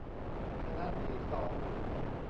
คณะที่สอง